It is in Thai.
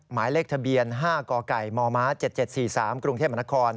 หมายเลขทะเบียน๕กกม๗๗๔๓กรุงเทพมนคร